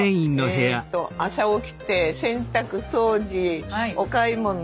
えと朝起きて洗濯掃除お買い物。